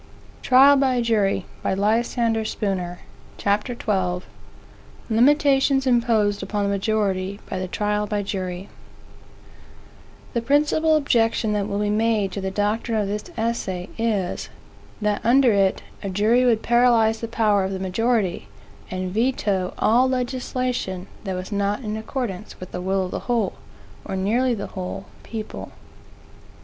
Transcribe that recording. Page 203, 5th edition, 1721. CHAPTER XII. Limitations Imposed Upon The Majority By The Trial By Jury The principal objection, that will be made to the doctrine of this essay, is, that under it, a jury would paralyze the power of the majority, and veto all legislation that was not in accordance with the will of the whole, or nearly the whole, people.